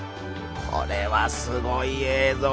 これはすごい映像。